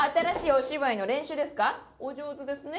お上手ですね。